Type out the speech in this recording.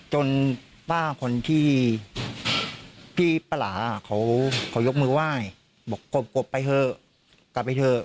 จนป้าคนที่พี่ปลาหลาเขายกมือไหว้บอกกบไปเถอะกลับไปเถอะ